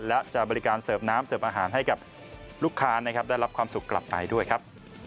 และจะบริการเสิร์ฟน้ำเสิร์ฟอาหารให้กับลูกค้านะครับได้รับความสุขกลับไปด้วยครับ